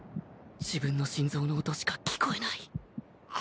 自分の心臓の音しか聞こえない